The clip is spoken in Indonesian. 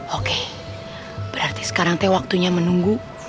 oke berarti sekarang teh waktunya menunggu